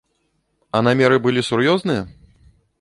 А намеры былі сур'ёзныя?